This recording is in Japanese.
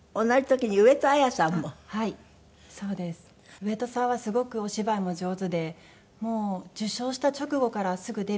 上戸さんはすごくお芝居も上手でもう受賞した直後からすぐデビューして。